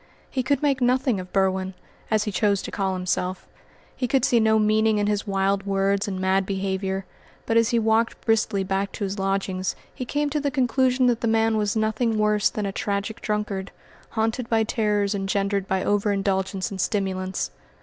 He could make nothing of Berwin as he chose to call himself he could see no meaning in his wild words and mad behaviour; but as he walked briskly back to his lodgings he came to the conclusion that the man was nothing worse than a tragic drunkard, haunted by terrors engendered by over indulgence in stimulants.